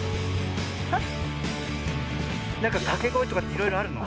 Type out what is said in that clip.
なんかかけごえとかっていろいろあるの？